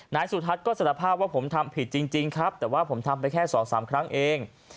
นายสุทัศน์ก็สารภาพว่าผมทำผิดจริงครับแต่ว่าผมทำไปแค่๒๓ครั้งเอง